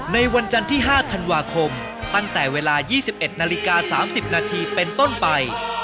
ในวันจันทร์ที่๕ธันวาคมตั้งแต่เวลา๒๑นาฬิกา๓๐นาทีเป็นต้นไป